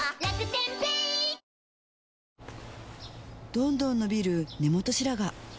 どんどん伸びる根元白髪